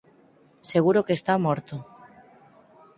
Seguro que está morto.